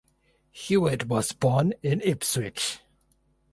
Hewitt was born in Ipswich.